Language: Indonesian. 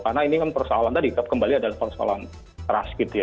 karena ini kan persoalan tadi kembali adalah persoalan ras gitu ya